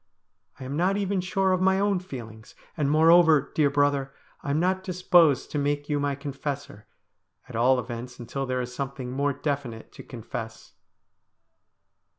I am not even sure of my own feelings ; and, moreover, dear brother, I am not disposed to make you my confessor, at all events until there is something more definite to confess.'